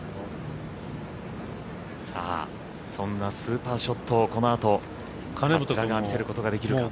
そんなスーパーショットをこのあと見せることができるか。